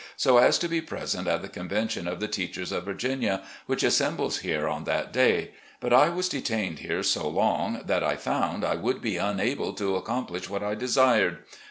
so as to be present at the Convention of the Teachers of Virginia, which assembles here on that day; but I was detained here so long that I found I would be rmable to accomplish what I desired.